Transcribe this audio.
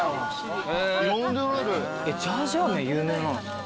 ジャージャー麺有名なんすか？